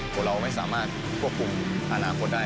คนเราไม่สามารถควบคุมอนาคตได้